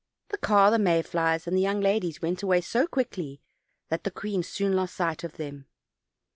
The car, the may flies and the young ladies went away so quickly that the queen soon lost sight of them.